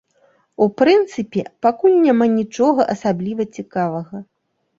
У прынцыпе, пакуль няма нічога асабліва цікавага.